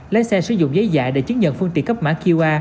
lấy xe sử dụng giấy dạ để chứng nhận phương tiện cấp mã qr